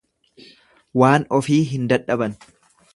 Waan ofii hin dadhaban.